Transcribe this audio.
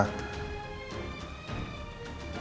nyimpulin sesuatu yang negatif